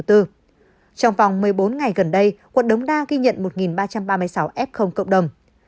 trong vòng một mươi bốn ngày gần đây quận đống đa ghi nhận một ba trăm ba mươi sáu f cộng đồng